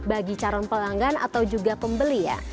bagi calon pelanggan atau juga pembeli ya